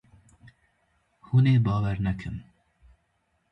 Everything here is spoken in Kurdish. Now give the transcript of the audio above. Hûn ê bawer nekin.